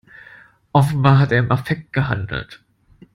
Offenbar hat er im Affekt gehandelt.